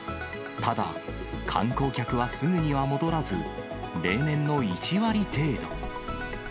ただ、観光客はすぐには戻らず、例年の１割程度。